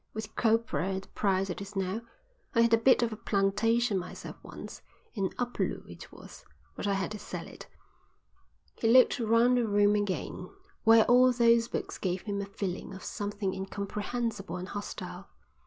With copra at the price it is now. I had a bit of a plantation myself once, in Upolu it was, but I had to sell it." He looked round the room again, where all those books gave him a feeling of something incomprehensible and hostile.